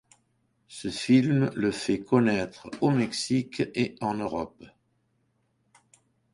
Ce film le fait connaître au Mexique et en Europe.